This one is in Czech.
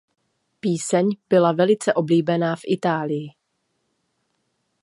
Píseň byla velice oblíbená v Itálii.